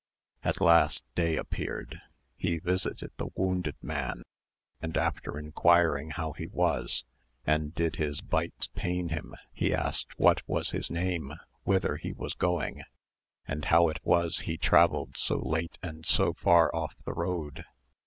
At last day appeared: he visited the wounded man; and after inquiring how he was, and did his bites pain him, he asked what was his name, whither he was going, and how it was he travelled so late and so far off the road.